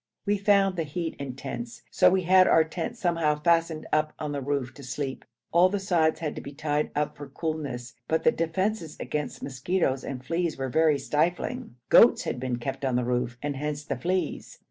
We found the heat intense, so we had our tent somehow fastened up on the roof to sleep. All the sides had to be tied up for coolness, but the defences against mosquitoes and fleas were very stifling. Goats had been kept on the roof, and hence the fleas.